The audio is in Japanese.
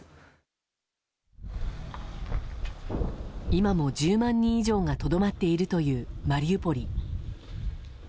今も１０万人以上がとどまっているというマリウポリ。